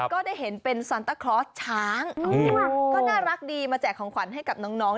ก็ได้เห็นเป็นซันตาคลอสช้างก็น่ารักดีมาแจกของขวัญให้กับน้อง